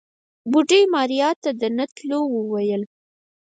بوډۍ ماريا ته د نه تلو وويل.